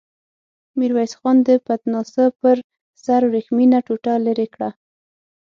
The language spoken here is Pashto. ميرويس خان د پتناسه پر سر ورېښمينه ټوټه ليرې کړه.